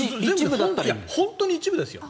本当に一部です。